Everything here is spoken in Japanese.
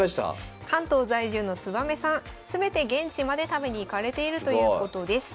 関東在住のつばめさん全て現地まで食べに行かれているということです。